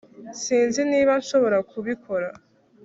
sinzi niba nshobora kubikora